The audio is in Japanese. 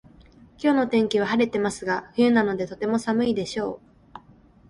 今日の天気は晴れてますが冬なのでとても寒いでしょう